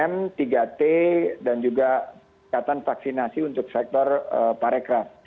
tiga m tiga t dan juga catatan vaksinasi untuk sektor parekraf